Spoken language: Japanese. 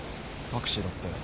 タクシーだって。